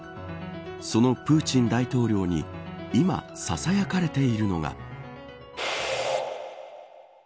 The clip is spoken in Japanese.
そのプーチン大統領に今ささやかれているのが。